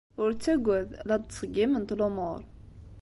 Ur ttagad. La d-ttṣeggiment lumuṛ.